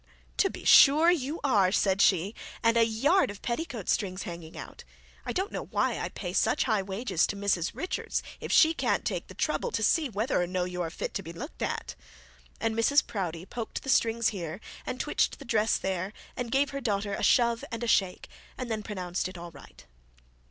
To be sure you are,' said she, 'and a yard of petticoat strings hanging out. I don't know why I pay such high wages to Mrs Richards, if she can't take the trouble to see whether or no you are fit to be looked at,' and Mrs Proudie poked the strings here, and twitched the dress there, and gave her daughter a shove and a shake, and then pronounced it all right.